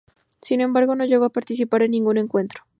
Sin embargo, no llegó a participar en ningún encuentro.